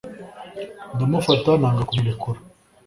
Ndamufata nanga kumurekura